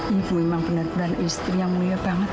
ibu memang bener bener istri yang mulia banget hatinya